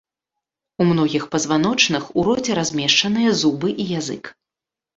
У многіх пазваночных у роце размешчаныя зубы і язык.